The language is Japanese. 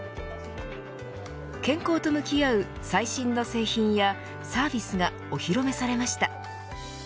健康と向き合う、最新の製品やサービスがお披露目されました。